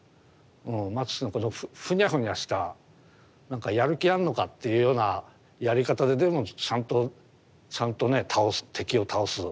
マティスのこのフニャフニャしたなんかやる気あんのかっていうようなやり方ででもちゃんとちゃんとね倒す敵を倒す。